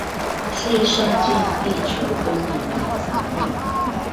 是善盡地球公民的責任